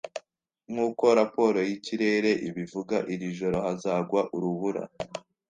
Nk’uko raporo y’ikirere ibivuga, iri joro hazagwa urubura